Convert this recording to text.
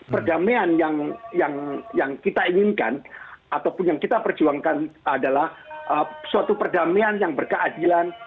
perdamaian yang kita inginkan ataupun yang kita perjuangkan adalah suatu perdamaian yang berkeadilan